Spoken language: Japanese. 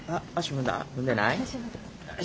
踏んでない？